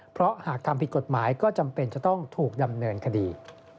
เพราะหากทำผิดกฎหมายก็จำเป็นจะต้องถูกดำเนินคดี